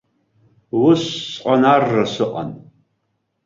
Усҟан арра сыҟан.